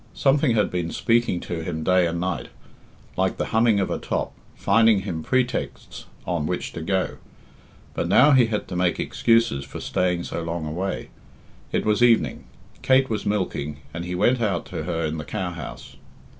Something had been speaking to him day and night, like the humming of a top, finding him pretexts on which to go; but now he had to make excuses for staying so long away. It was evening. Kate was milking, and he went out to her in the cowhouse.